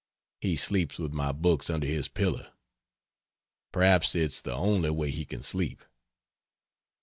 He sleeps with my books under his pillow. P'raps it is the only way he can sleep.